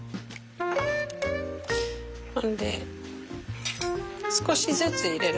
ほんで少しずつ入れる。